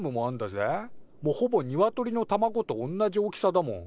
もうほぼニワトリの卵とおんなじ大きさだもん。